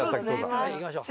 はい行きましょう。